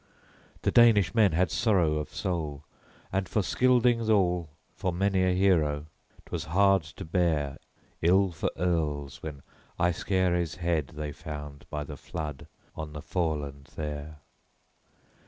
The Danish men had sorrow of soul, and for Scyldings all, for many a hero, 'twas hard to bear, ill for earls, when Aeschere's head they found by the flood on the foreland there.